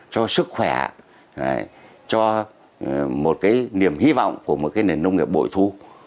cho sức khỏe cho một niềm hy vọng của một nền nông nghiệp bội thu